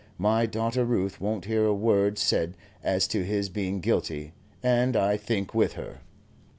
My daughter Ruth won't hear a word said as to his being guilty, and I think with her."